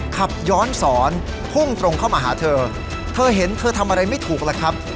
ขับย้อนสอนพุ่งตรงเข้ามาหาเธอเธอเห็นเธอทำอะไรไม่ถูกล่ะครับ